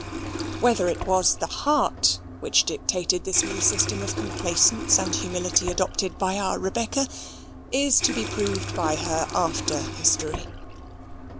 Whether it was the heart which dictated this new system of complaisance and humility adopted by our Rebecca, is to be proved by her after history.